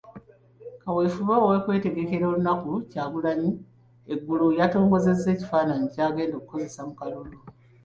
Kawefube w'okwetegekera olunaku Kyagulanyi eggulo yaatongozza ekifaananyi ky'agenda okukozesa mu kalulu.